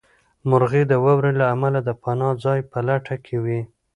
مرغۍ د واورې له امله د پناه ځای په لټه کې وې.